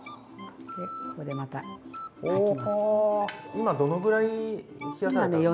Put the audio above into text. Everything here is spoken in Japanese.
今どのぐらい冷やされたんですか？